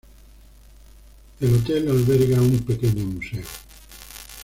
El hotel alberga un pequeño museo.